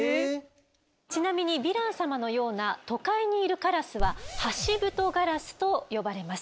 ちなみにヴィラン様のような都会にいるカラスは「ハシブトガラス」と呼ばれます。